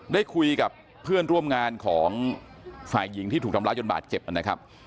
ได้คุยกับเพื่อนร่วมงานของฝ่ายหญิงที่ถูกทำร้ายจนบาดเจ็บนะครับ